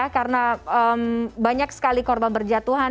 karena banyak sekali korban berjatuhan